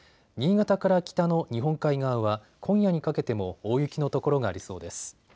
新潟から北の日本海側は今夜にかけても大雪の所がありそうです。